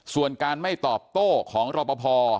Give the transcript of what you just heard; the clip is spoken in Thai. ส่วนการไม่ตอบโต้ของรอปภ